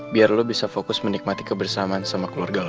biar lo bisa fokus menikmati kebersamaan sama keluarga lo